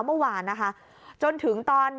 เมื่อวานนะคะจนถึงตอน